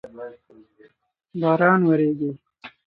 باران وریږی